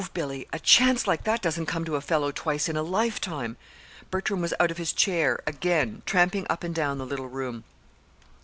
Billy, a chance like that doesn't come to a fellow twice in a lifetime!" Bertram was out of his chair, again, tramping up and down the little room.